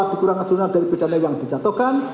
dikurangkan seru dari pidana yang dijatuhkan